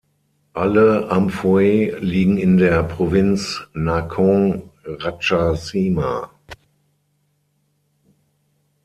Alle Amphoe liegen in der Provinz Nakhon Ratchasima.